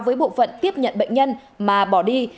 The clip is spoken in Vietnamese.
với bộ phận tiếp nhận bệnh nhân mà bỏ đi